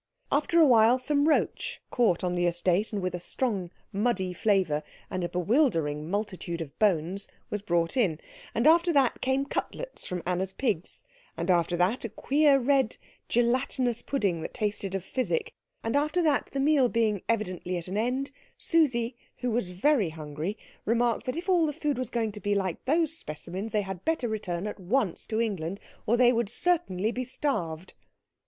After a while some roach, caught on the estate, and with a strong muddy flavour and bewildering multitudes of bones, was brought in; and after that came cutlets from Anna's pigs; and after that a queer red gelatinous pudding that tasted of physic; and after that, the meal being evidently at an end, Susie, who was very hungry, remarked that if all the food were going to be like those specimens they had better return at once to England, or they would certainly be starved.